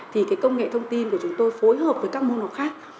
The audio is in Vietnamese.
thì cái công nghệ thông tin của chúng tôi phối hợp với các môn học khác